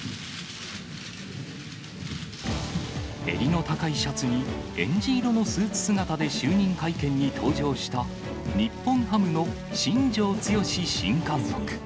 襟の高いシャツに、えんじ色のスーツ姿で就任会見に登場した、日本ハムの新庄剛志新監督。